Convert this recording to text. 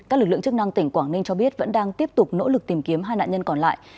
các lực lượng chức năng tỉnh quảng ninh cho biết vẫn đang tiếp tục nỗ lực tìm kiếm hai nạn nhân còn lại